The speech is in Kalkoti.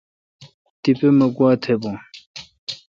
تیپہ مہ گوا تھ بھون۔